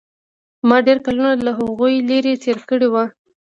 ما ډېر کلونه له هغوى لرې تېر کړي وو.